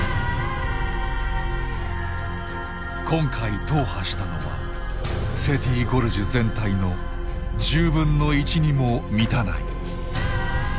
今回踏破したのはセティ・ゴルジュ全体の１０分の１にも満たない。